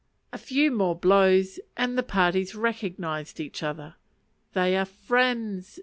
_" A few more blows, and the parties recognize each other: they are friends!